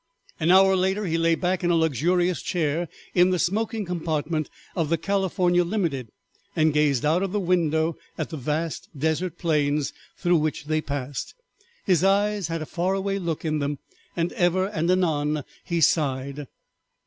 An hour later he lay back in a luxurious chair in the smoking compartment of the California Limited, and gazed out of the windows at the vast desert plains through which they passed. His eyes had a far away look in them, and ever and anon he sighed.